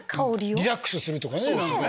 リラックスするとかね。